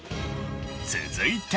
続いて。